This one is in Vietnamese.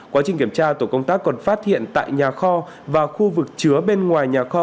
quá trình kiểm tra tổ công tác còn phát hiện tại nhà kho và khu vực chứa bên ngoài nhà kho